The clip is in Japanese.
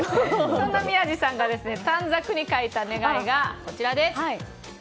そんな宮司さんが短冊に書いた願いがこちら。